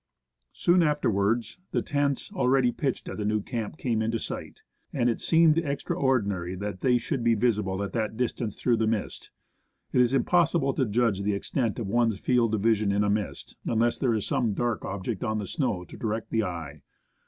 Soon after wards, the tents already pitched at the new camp came into sight, and it seemed extraordinary they should be visible at that dis tance through the mist. It is impossible to judge the extent of one's field of vision in a mist, unless there is some dark object on the snow to direct the eye.